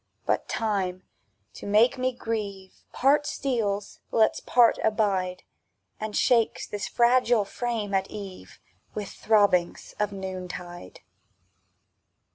But Time, to make me grieve; Part steals, lets part abide; And shakes this fragile frame at eve With throbbings of noontide.